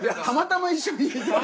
たまたま一緒に？